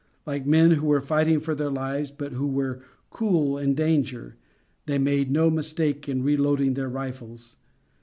Like men who were fighting for their lives but who were cool in danger, they made no mistakes in reloading their rifles.